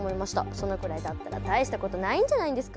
そのくらいだったら大したことないんじゃないんですか？